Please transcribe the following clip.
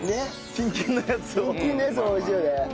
キンキンのやつも美味しいよね。